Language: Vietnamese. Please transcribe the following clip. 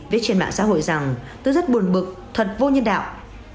viết trên mạng xã hội rằng tôi rất buồn bực thật vô nhân đạo